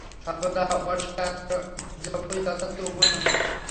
সর্বদা ওঙ্কার জপই যথার্থ উপাসনা।